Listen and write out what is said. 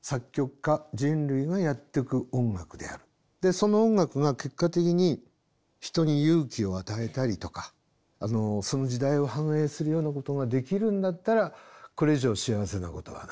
その音楽が結果的に人に勇気を与えたりとかその時代を反映するようなことができるんだったらこれ以上幸せなことはない。